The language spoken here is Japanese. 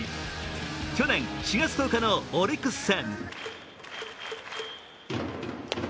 去年４月１０日のオリックス戦。